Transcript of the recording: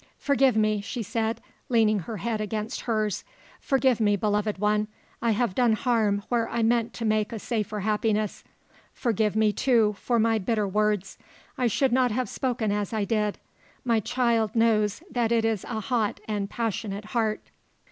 "Forgive me," she said, leaning her head against hers, "forgive me, beloved one. I have done harm where I meant to make a safer happiness. Forgive me, too, for my bitter words. I should not have spoken as I did. My child knows that it is a hot and passionate heart."